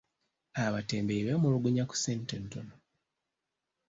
Abatembeeyi beemulugunya ku ssente entono.